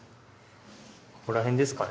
ここらへんですかね。